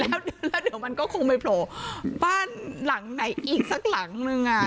แล้วเดี๋ยวมันก็คงไปโผล่บ้านหลังไหนอีกสักหลังนึงอ่ะ